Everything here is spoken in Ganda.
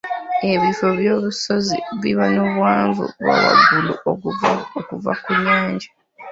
Ebifo eby'obusozi biba n'obuwanvu bwa waggulu okuva ku nyanja